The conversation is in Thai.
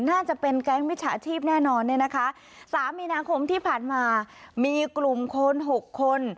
น่าจะเป็นแก๊งมิจฉาชีพแน่นอนเนี่ยนะคะสามมีนาคมที่ผ่านมามีกลุ่มคนหกคน